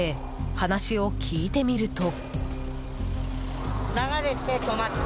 話を聞いてみると。